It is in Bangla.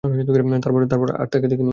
তারপর আর তাঁকে দেখিনি।